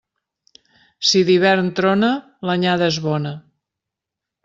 Si d'hivern trona, l'anyada és bona.